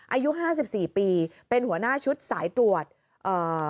อายุ๕๔ปีเป็นหัวหน้าชุดสายตรวจเอ่อ